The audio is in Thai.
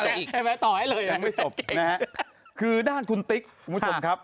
เดี๋ยวไปฟังต่อยังไม่จบนะครับคือด้านคุณติ๊กคุณผู้ชมครับ